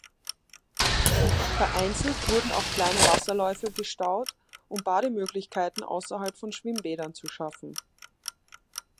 Vereinzelt wurden auch kleine Wasserläufe gestaut, um Bademöglichkeiten außerhalb von Schwimmbädern zu schaffen.